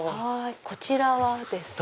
こちらはですね。